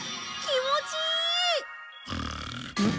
気持ちいい！